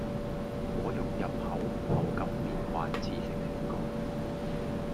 果肉入口口感棉滑似食雪糕